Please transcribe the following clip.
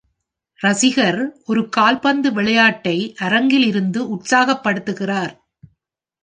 ரசிகர் ஒரு கால்பந்து விளையாட்டை அரங்கில் இருந்து உற்சாகப்படுத்துகிறார்.